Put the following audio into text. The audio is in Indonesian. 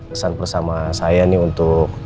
pesan bersama saya nih untuk